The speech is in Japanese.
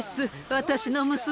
私の娘！